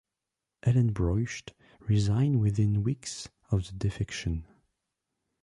Hellenbroich resigned within weeks of the defection.